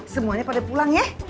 semuanya pada pulang ya